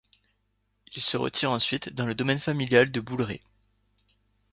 Il se retire ensuite dans le domaine familial de Boulleret.